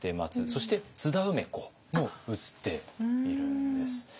そして津田梅子も写っているんです。